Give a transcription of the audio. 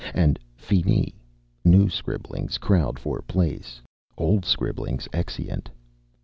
And finis. New scribblings crowd for place, old scribblings exeunt.